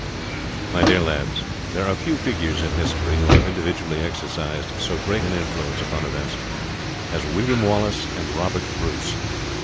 MY DEAR LADS, There are few figures in history who have individually exercised so great an influence upon events as William Wallace and Robert Bruce.